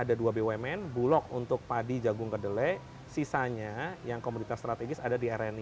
ada dua bumn bulog untuk padi jagung kedelai sisanya yang komoditas strategis ada di rni